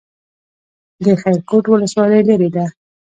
د خیرکوټ ولسوالۍ لیرې ده